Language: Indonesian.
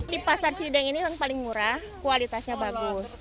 di pasar cideng ini yang paling murah kualitasnya bagus